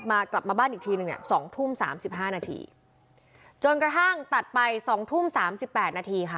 กลับมากลับมาบ้านอีกทีหนึ่งอ่ะสองทุ่มสามสิบห้านาทีจนกระทั่งตัดไปสองทุ่มสามสิบแปดนาทีค่ะ